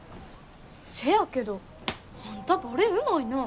せやけどあんたバレエうまいな。